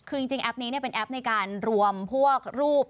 คือจริงแอปนี้เป็นแอปในการรวมพวกรูป